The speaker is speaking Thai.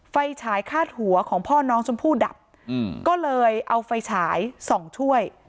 ไฟฉายคาดหัวของพ่อน้องชมพู่ดับก็เลยเอาไฟฉายส่องช่วย